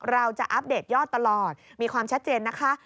เราจะอัปเดตยอดตลอดมีความชัดเจนนะคะ